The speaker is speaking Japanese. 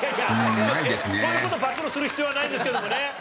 そういう事暴露する必要はないんですけどもね。